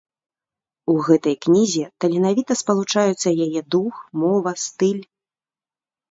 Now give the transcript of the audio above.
У гэтай кнізе таленавіта спалучаюцца яе дух, мова, стыль.